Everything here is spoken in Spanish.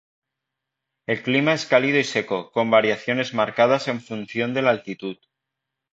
El clima es cálido y seco, con variaciones marcadas en función de la altitud.